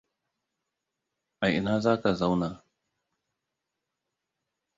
A ina zaka zauna?